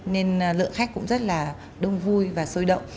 nên lượng khách cũng rất là đông vui và sôi động